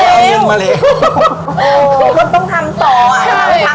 คุณต้องทำต่อตั้งที่หน้าก็คือเป็นอยู่